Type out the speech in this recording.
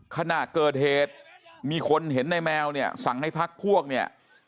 ขณะเกิดเหตุมีคนเห็นในแมวเนี่ยสั่งให้พักพวกเนี่ย